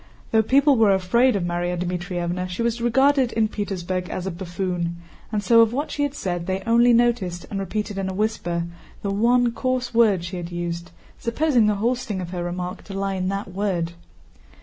Though people were afraid of Márya Dmítrievna she was regarded in Petersburg as a buffoon, and so of what she had said they only noticed, and repeated in a whisper, the one coarse word she had used, supposing the whole sting of her remark to lie in that word.